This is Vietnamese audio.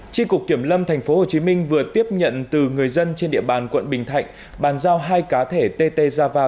tri cục kiểm lâm tp hcm vừa tiếp nhận từ người dân trên địa bàn quận bình thạnh bàn giao hai cá thể tt java